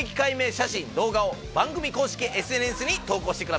写真動画を番組公式ＳＮＳに投稿してください。